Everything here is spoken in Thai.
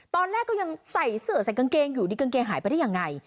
ตอนแรกก็ยังใส่เสื้อใส่กางเกงอยู่ดีกางเกงหายไปได้ยังไง